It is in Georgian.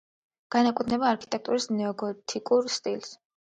განეკუთვნება არქიტექტურის ნეოგოთიკურ სტილს.